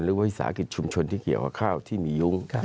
วิสาหกิจชุมชนที่เกี่ยวกับข้าวที่มียุ้ง